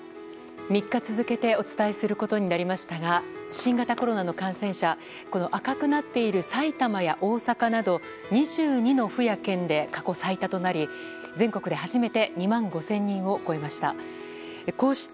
３日続けてお伝えすることになりましたが新型コロナの感染者赤くなっている埼玉や大阪など２２の府や県で過去最多となり、全国で初めて２万５０００人を超えました。